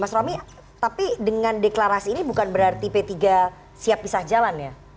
mas romy tapi dengan deklarasi ini bukan berarti p tiga siap pisah jalan ya